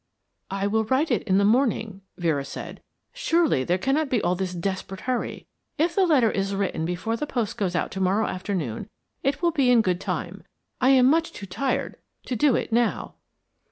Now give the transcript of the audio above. "I will write it in the morning," Vera said. "Surely there cannot be all this desperate hurry. If the letter is written before the post goes out tomorrow afternoon it will be in good time. I am much too tired to do it now."